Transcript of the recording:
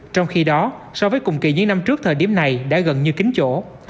trong khi đó so với cùng kỳ những năm trước thời điểm này đã gần như kính chỗ